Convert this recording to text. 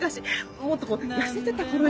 もっとこう痩せてたころに。